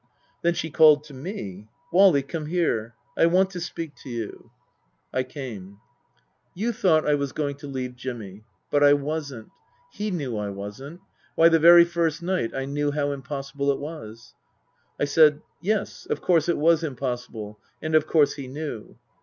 Then she called to me ." Wally, come here. I want to speak to you." Book III : His Book 285 I came. " You thought I was going to leave Jimmy. But I wasn't. He knew I wasn't. Why, the first night I knew how impossible it was." I said, Yes. Of course it was impossible. And of course he knew.